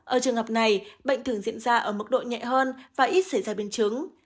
ở trường hợp này bệnh thường diễn ra ở mức độ nhẹ hơn và ít xảy ra biến chứng